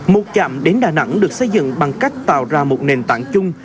một chạm đến đà nẵng được xây dựng bằng cách tạo ra một nền tảng chung